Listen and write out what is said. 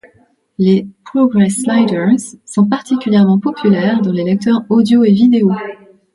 Les progress sliders sont particulièrement populaires dans les lecteurs audio et vidéo.